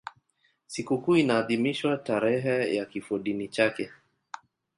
Sikukuu inaadhimishwa tarehe ya kifodini chake.